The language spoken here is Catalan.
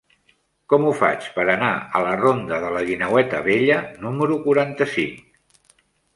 Com ho faig per anar a la ronda de la Guineueta Vella número quaranta-cinc?